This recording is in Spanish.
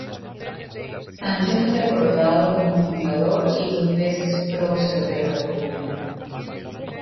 Sánchez es recordado como fundador y dos veces prócer de la República.